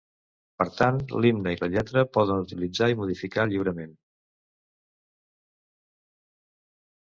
Per tant, l'himne i la lletra poden utilitzar i modificar lliurement.